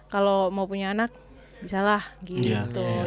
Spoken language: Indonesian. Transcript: kalau mau punya anak bisalah gitu